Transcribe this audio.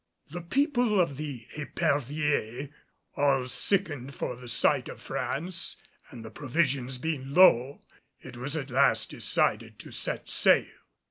The people of the Epervier all sickened for the sight of France; and the provisions being low, it was at last decided to set sail.